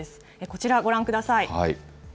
こちらご覧ください。